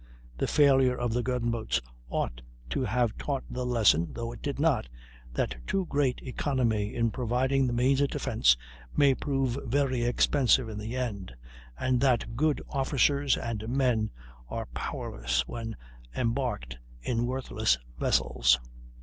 The failure of the gun boats ought to have taught the lesson (though it did not) that too great economy in providing the means of defence may prove very expensive in the end, and that good officers and men are powerless when embarked in worthless vessels.